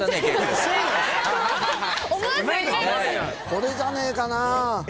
これじゃねえかなぁ。